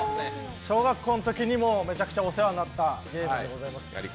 小学校のときにめちゃくちゃお世話になったゲームでございます。